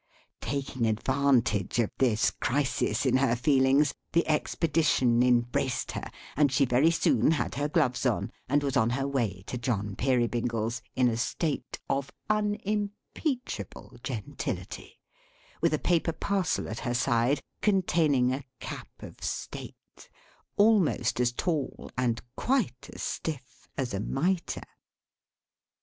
Taking advantage of this crisis in her feelings, the Expedition embraced her; and she very soon had her gloves on, and was on her way to John Peerybingle's in a state of unimpeachable gentility; with a paper parcel at her side containing a cap of state, almost as tall, and quite as stiff, as a Mitre.